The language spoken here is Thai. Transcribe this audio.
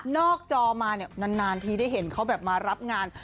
นอกจอมานานทีได้เห็นเขามารับงาน